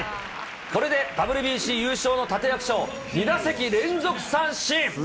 これでＷＢＣ優勝の立て役者を、２打席連続三振。